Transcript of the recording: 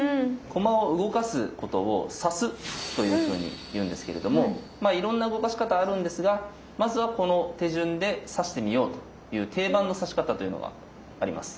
駒を動かすことを「指す」というふうに言うんですけれどもまあいろんな動かし方あるんですがまずはこの手順で指してみようという定番の指し方というのがあります。